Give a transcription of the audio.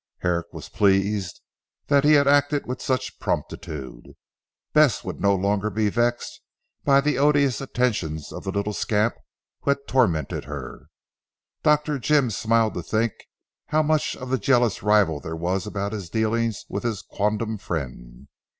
Herrick was pleased that he had acted with such promptitude. Bess would no longer be vexed by the odious attentions of the little scamp who had tormented her. Dr. Jim smiled to think how much of the jealous rival there was about his dealings with his quondam friend.